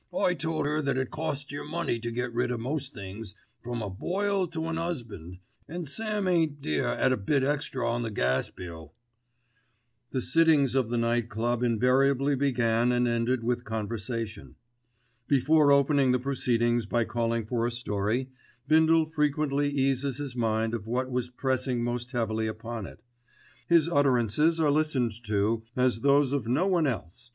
I told 'er that it costs yer money to get rid of most things, from a boil to an 'usband, an' Sam ain't dear at a bit extra on the gas bill." The sittings of the Night Club invariably began and ended with conversation. Before opening the proceedings by calling for the story, Bindle frequently eases his mind of what was pressing most heavily upon it. His utterances are listened to as are those of no one else.